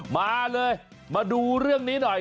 มาเลยมาดูเรื่องนี้หน่อย